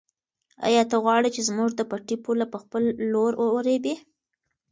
آیا ته غواړې چې زموږ د پټي پوله په خپل لور ورېبې؟